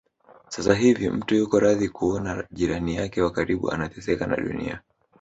Sasa hivi mtu yuko radhi kuona jirani yake wa karibu anateseka na Dunia